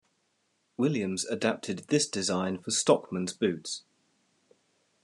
Williams adapted this design for stockmen's boots.